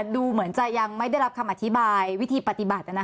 ดูเหมือนจะยังไม่ได้รับคำอธิบายวิธีปฏิบัติ